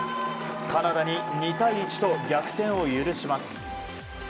カナダに２対１と逆転を許します。